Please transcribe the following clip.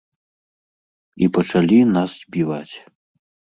І пачалі нас збіваць.